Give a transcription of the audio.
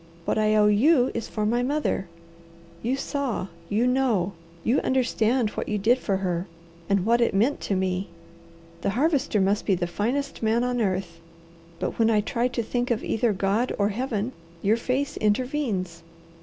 What I owe you is for my mother. You saw! You know! You understand what you did for her, and what it meant to me. The Harvester must be the finest man on earth, but when I try to think of either God or Heaven, your face intervenes."